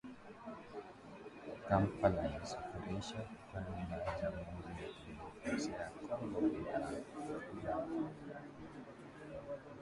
Kampala inasafirisha kwenda jamhuri ya kidemokrasia ya Kongo bidhaa za